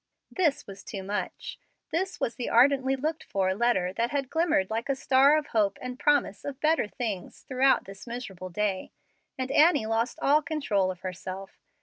This was too much. This was the ardently looked for letter that had glimmered like a star of hope and promise of better things throughout this miserable day, and Annie lost all control of herself.